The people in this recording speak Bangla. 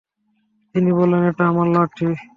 তিনি বললেন, এটা আমার লাঠি।